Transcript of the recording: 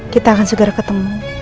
kita akan segera ketemu